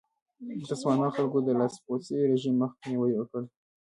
د تسوانا خلکو د لاسپوڅي رژیم مخنیوی وکړ.